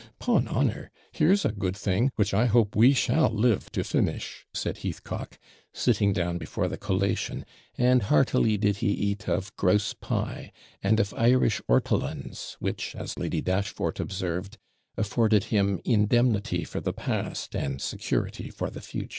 ''Pon honour! here's a good thing, which I hope we shall live to finish,' said Heathcock, sitting down before the collation; and heartily did he eat of grouse pie, and of Irish ortolans, which, as Lady Dashfort observed, 'afforded him indemnity for the past, and security for the future.'